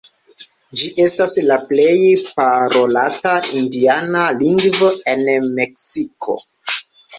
Ĝi estas la plej parolata indiana lingvo en Meksiko.